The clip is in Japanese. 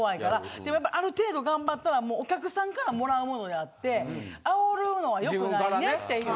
でもやっぱりある程度頑張ったらもうお客さんから貰うものであってあおるのは良くないねっていう。